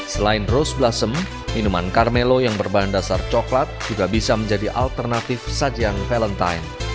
selain rose blossom minuman carmelo yang berbahan dasar coklat juga bisa menjadi alternatif sajian valentine